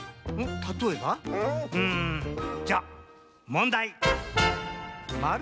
たとえば？じゃもんだい！